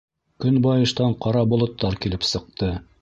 Көнбайыштан ҡара болоттар килеп сыҡты.